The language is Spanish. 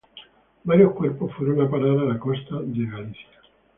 Varios cuerpos fueron a parar a las costas de Galicia.